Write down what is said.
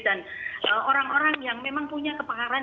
dan orang orang yang memang punya kepaharan